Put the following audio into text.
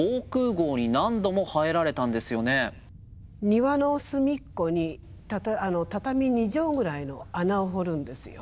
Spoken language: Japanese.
庭の隅っこに畳２畳ぐらいの穴を掘るんですよ。